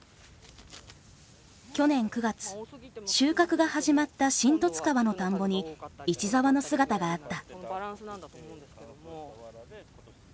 収穫が始まった新十津川の田んぼに市澤の姿があった。